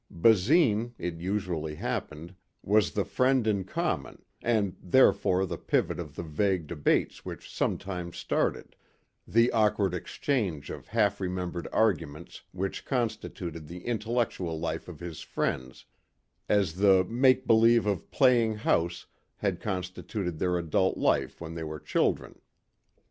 Basine, it usually happened, was the friend in common and therefore the pivot of the vague debates which sometimes started the awkward exchange of half remembered arguments which constituted the intellectual life of his friends, as the make believe of "playing house" had constituted their adult life when they were children.